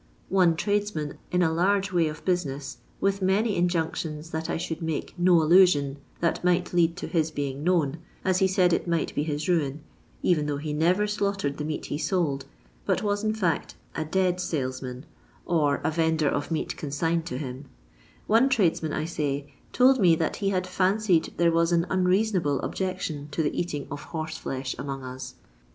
One tradesman, in a large way of business— with many injunctions that I should make no allusion that might lead to his being known, as he said it might be his ruin, even though he never slaughtered the meat he sold, but was, in ikct, a dead salesman or a vendor of meat consigned to him — one tradesman, I say, told me that he fan cied there was an unretuofuMe objection to the eating of horse flesh among us.